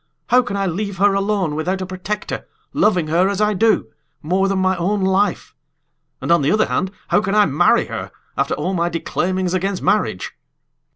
How can I leave her alone without a protector, loving her, as I do, more than my own life? And, on the other hand, how can I marry her, after all my declaimings against marriage?"